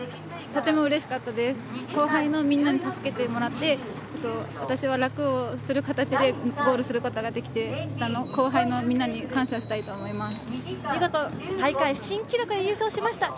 とてもうれしかったです後輩のみんなに助けてもらって私は楽をする形でゴールすることができて後輩のみんなに感謝したいと思います。